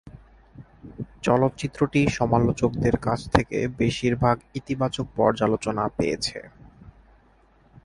চলচ্চিত্রটি সমালোচকদের কাছ থেকে বেশিরভাগ ইতিবাচক পর্যালোচনা পেয়েছে।